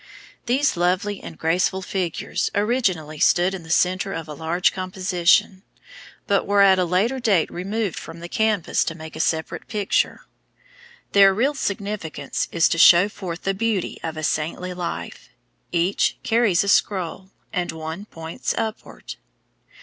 These lovely and graceful figures originally stood in the centre of a large composition, but were at a later date removed from the canvas to make a separate picture. Their real significance is to show forth the beauty of a saintly life. Each carries a scroll, and one points upward.